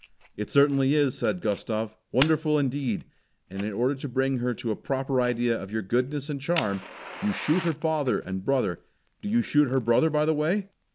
"It certainly is," said Gustav. "Wonderful indeed! And in order to bring her to a proper idea of your goodness and charm, you shoot her father and brother do you shoot her brother, by the way?"